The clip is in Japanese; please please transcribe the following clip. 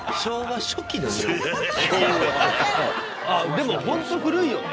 でもホント古いよね。